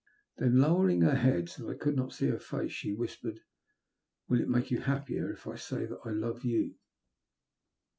Then, lowering her head so that I could not see her face, she whispered — "Will it make you happier if I say that I love you